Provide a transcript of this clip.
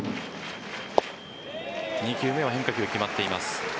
２球目は変化球決まっています。